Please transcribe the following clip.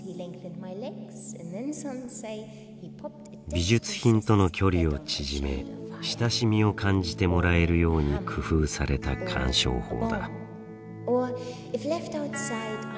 美術品との距離を縮め親しみを感じてもらえるように工夫された鑑賞法だ。